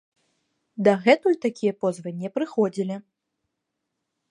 Дагэтуль такія позвы не прыходзілі.